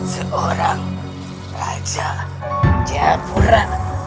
seorang raja jepura